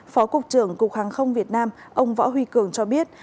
phó cục trưởng cục hàng không việt nam ông võ huy cường cho biết